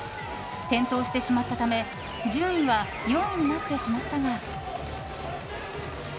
転倒してしまったため順位は４位になってしまったが。